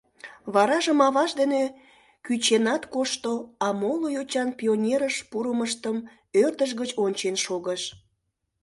Варажым аваж дене кӱченат кошто, а моло йочан пионерыш пурымыштым ӧрдыж гыч ончен шогыш.